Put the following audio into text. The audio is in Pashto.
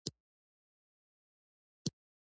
دوی کله ویل چې پردیو علمونو لاره کړې ده.